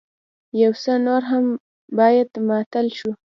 يو څه نور هم بايد ماتل شو.